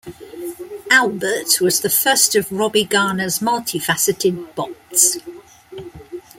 Albert was the first of Robby Garner's multifaceted bots.